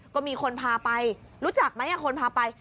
ก็มีคนพาไปรู้จักไหมคนพาไป